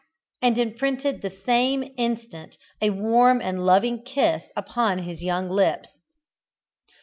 and imprinted at the same instant a warm and loving kiss upon his young lips.